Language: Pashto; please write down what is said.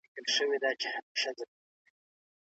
زما ورور د خپلې کوژدې لپاره نوې ګوتمۍ اخیستې ده.